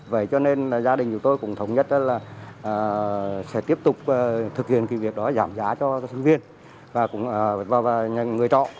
vậy cho nên gia đình chúng tôi cũng thống nhất là sẽ tiếp tục thực hiện cái việc đó giảm giá cho sinh viên và người chọn